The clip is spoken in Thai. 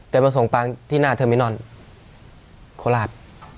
แต่มาส่งปางที่หน้าเทอร์มินอนโคราช